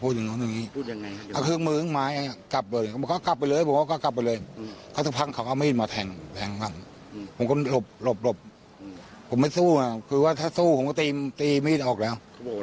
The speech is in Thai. เชื่อบ่กมือผมเด็กกว่าเขาทานายังต้องรู้อยู่แล้ว